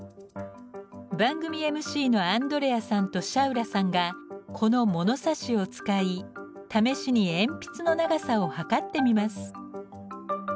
番組ＭＣのアンドレアさんとシャウラさんがこの物差しを使い試しに鉛筆の長さを測ってみます。